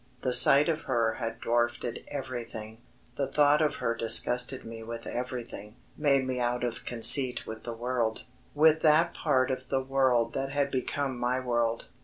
The sight of her had dwarfed everything; the thought of her disgusted me with everything, made me out of conceit with the world with that part of the world that had become my world.